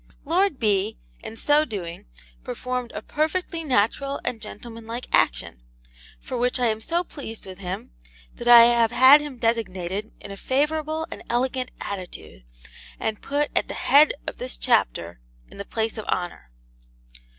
Lord B., in so doing, performed a perfectly natural and gentlemanlike action; for which I am so pleased with him that I have had him designed in a favourable and elegant attitude, and put at the head of this Chapter in the place of honour.